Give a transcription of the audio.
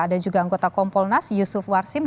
ada juga anggota kompolnas yusuf warsim